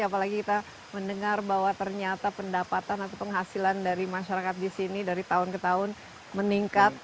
apalagi kita mendengar bahwa ternyata pendapatan atau penghasilan dari masyarakat di sini dari tahun ke tahun meningkat